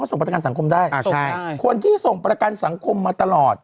ส่งประกันสังคมได้คนที่ส่งประกันสังคมมาตลอด